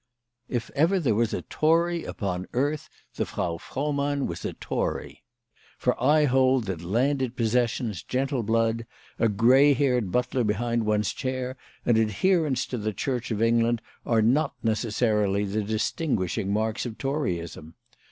TF ever there was a Tory upon earth, the Frau Frohmann was a Tory; for I hold that landed possessions, gentle blood, a gray haired butler behind one's chair, and adherence to the Church of England, are not necessarily the distinguishing marks of Toryism.